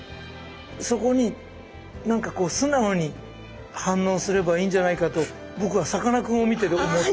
そこに何かこう素直に反応すればいいんじゃないかと僕はさかなクンを見てて思った。